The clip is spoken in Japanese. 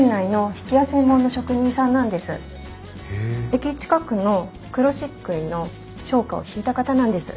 駅近くの黒漆喰の商家をひいた方なんです。